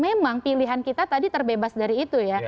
memang pilihan kita tadi terbebas dari itu ya